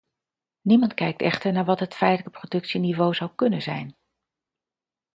Niemand kijkt echter naar wat het feitelijke productieniveau zou kunnen zijn.